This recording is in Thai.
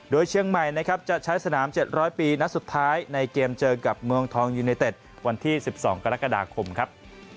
โดยเชียงใหม่นะครับจะใช้สนาม๗๐๐ปีนัดสุดท้ายในเกมเจอกับเมืองทองยูเนเต็ดวันที่๑๒กรกฎาคมครับ